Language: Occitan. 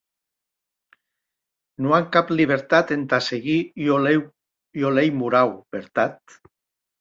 Non an cap libertat entà seguir ua lei morau, vertat?